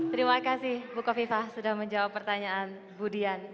terima kasih bukofifah sudah menjawab pertanyaan budian